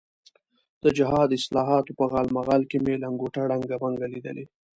د جهاد اصطلاحاتو په غالمغال کې مې لنګوټه ړنګه بنګه لیدلې.